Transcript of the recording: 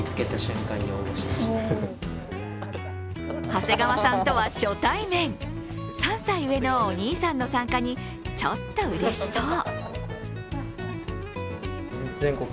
長谷川さんとは初対面、３歳上のお兄さんの参加にちょっとうれしそう。